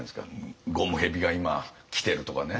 ゴムヘビが今きてるとかね。